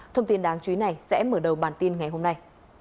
thông tin đáng chú ý này sẽ mở đầu bản tin ngày hôm nay